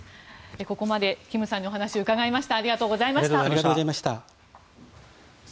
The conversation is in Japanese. ここまでキムさんにお話を伺いました。